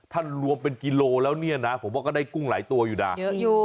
ถ้ารวมเป็นกิโลแล้วเนี่ยนะผมว่าก็ได้กุ้งหลายตัวอยู่นะเยอะอยู่